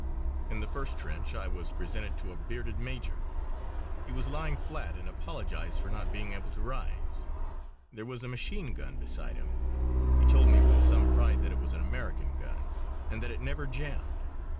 In the first trench I was presented to a bearded major. He was lying flat and apologised for not being able to rise. There was a machine gun beside him. He told me with some pride that it was an American gun, and that it never jammed.